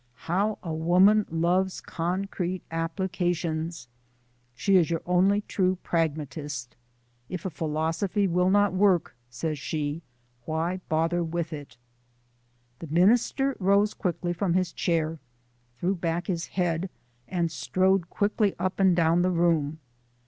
How a woman loves concrete applications. She is your only true pragmatist. If a philosophy will not work, says she, why bother with it? The minister rose quickly from his chair, threw back his head, and strode quickly up and down the room.